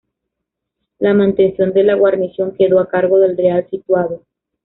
La mantención de la guarnición quedó a cargo del Real Situado.